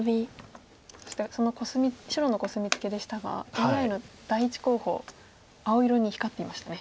そして白のコスミツケでしたがＡＩの第１候補青色に光っていましたね。